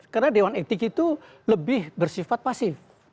karena dewan etik itu lebih bersifat pasif